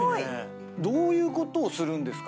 どういうことをするんですか？